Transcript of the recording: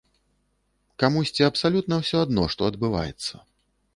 Камусьці абсалютна ўсё адно, што адбываецца.